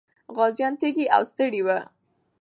غازيان تږي او ستړي وو.